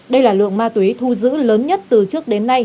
đây là lượng ma túy thu giữ lớn nhất từ trước đến nay